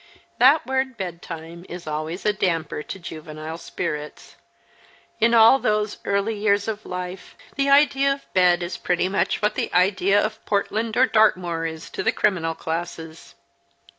That word bedtime is always a damper to juvenile spirits. In all those early years of life the idea of bed is pretty much what the idea of Portland or Dartmoor is to the criminal classes.